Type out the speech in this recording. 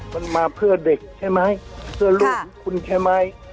มันมาเพื่อเด็กใช่ไหมเพื่อลูกของคุณใช่ไหม